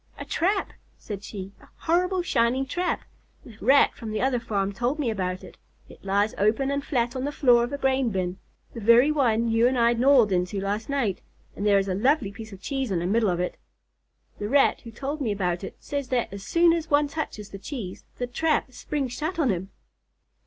"A trap!" said she. "A horrible, shining trap. The Rat from the other farm told me about it. It lies open and flat on the floor of a grain bin, the very one you and I gnawed into last night, and there is a lovely piece of cheese in the middle of it. The Rat who told me about it says that as soon as one touches the cheese, the trap springs shut on him."